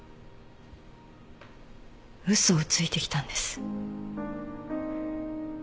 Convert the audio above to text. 嘘をついてきたんです。